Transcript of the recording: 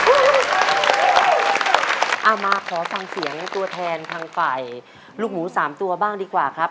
เอามาขอฟังเสียงตัวแทนทางฝ่ายลูกหมู๓ตัวบ้างดีกว่าครับ